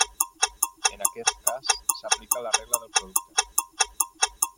En aquest cas s'aplica la regla del producte.